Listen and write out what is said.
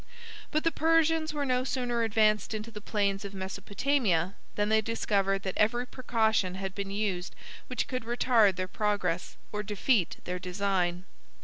But the Persians were no sooner advanced into the plains of Mesopotamia, than they discovered that every precaution had been used which could retard their progress, or defeat their design.